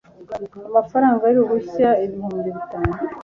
amafranga y'uruhushya ibihumbi bitanu